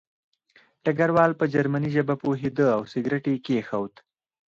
ډګروال په جرمني ژبه پوهېده او سګرټ یې کېښود